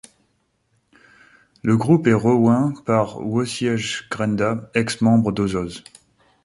Le groupe est reooint par Wojciech Grenda, ex-membre d'Ozoz.